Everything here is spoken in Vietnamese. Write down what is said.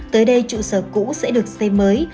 tới đây trụ sở cũ sẽ được xây mới